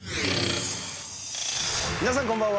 皆さんこんばんは。